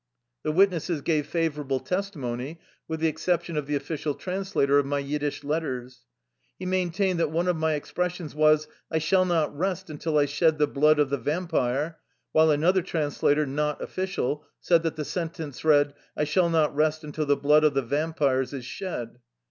The witnesses gave favorable testimony, with the exception of the official translator of my Yiddish letters. He maintained that one of my expressions was, " I shall not rest until I shed the blood of the vampire," while another trans lator, not official, said that the sentence read: " I shall not rest until the blood of the vampires is shed."